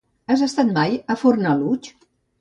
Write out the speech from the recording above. Has estat mai a Fornalutx?